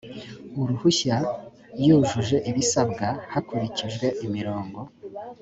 uruhushya yujuje ibisabwa hakurikijwe imirongo